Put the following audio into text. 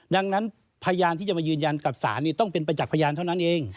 ดังนั้นพยานที่จะมายืนยันกับศาลต้องเป็นประจักษ์พยานเท่านั้นเอง